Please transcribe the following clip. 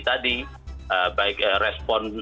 tadi baik respon